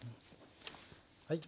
はい。